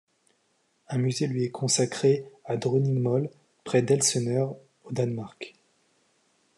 Un musée lui est consacré à Dronningmølle, près d'Elseneur au Danemark.